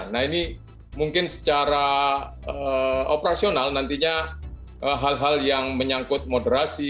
nah ini mungkin secara operasional nantinya hal hal yang menyangkut moderasi